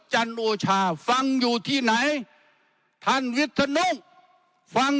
บุรษจันทร์อูชะฟังอยู่ที่ไหนท่านวิฒนุศ์ฟัง